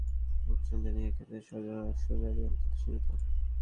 কিন্তু গ্রামীণ ব্যাংকের পরিচালনা পর্ষদ নিয়োগের ক্ষেত্রে সরকারের অংশীদারি অত্যন্ত সীমিত।